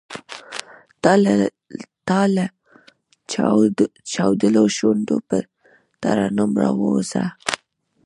تۀ لۀ چاودلو شونډو پۀ ترنم راووځه !